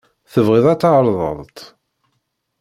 Tebɣiḍ ad tεerḍeḍ-t?